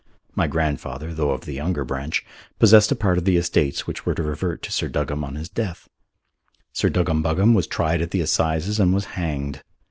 My grandfather, though of the younger branch, possessed a part of the estates which were to revert to Sir Duggam on his death. Sir Duggam Buggam was tried at the Assizes and was hanged.